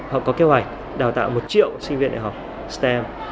họ có kế hoạch đào tạo một triệu sinh viên đại học stem